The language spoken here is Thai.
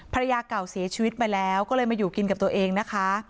ภรรยาเก่าเสียชีวิตไปแล้วก็เลยมาอยู่กินกับตัวเองนะคะ